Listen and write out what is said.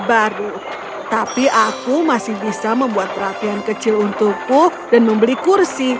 baru tapi aku masih bisa membuat perhatian kecil untuk quk dan membeli kursi ah untuk